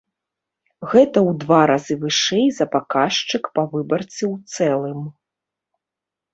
Гэта ў два разы вышэй за паказчык па выбарцы ў цэлым.